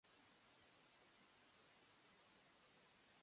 ドームの中心にいくとき、先頭を歩いていた隊員だった